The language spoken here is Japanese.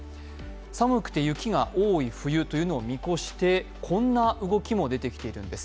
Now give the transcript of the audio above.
寒くて雪が多い冬を見越してこんな動きも出てきているんです。